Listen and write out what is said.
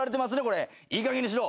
「いいかげんにしろ。